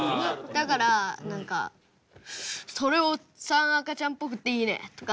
だから何か「それおっさん赤ちゃんっぽくていいね」とか。